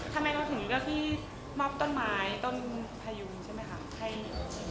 ทำไมเราถึงกับที่มอบต้นไม้ต้นพายุใช่ไหมครับ